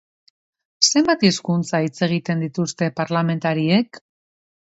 Zenbat hizkuntza hitz egiten dituzte parlamentariek?